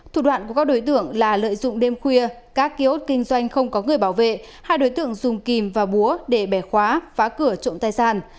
thủ đoạn của các đối tượng là lợi dụng đêm khuya các ký ốt kinh doanh không có người bảo vệ hai đối tượng dùng kìm và búa để bẻ khóa phá cửa trộm tài sản